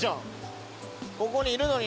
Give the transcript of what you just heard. ここにいるのにな。